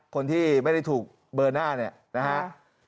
คนที่ไม่ได้ถูกเบอร์หน้าเนี่ยนะฮะ